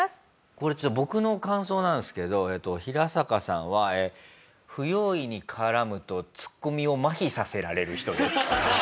これちょっと僕の感想なんですけどヒラサカさんはえー不用意に絡むとツッコミを麻痺させられる人です。